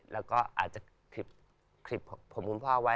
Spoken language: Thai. แล้วก็อาจจะคลิปผมคุณพ่อไว้